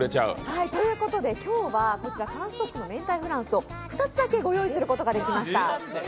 今日はこちらパンストックのめんたいフランスを２つだけご用意することができました。